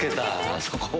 あそこ。